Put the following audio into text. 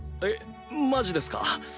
えっマジですか？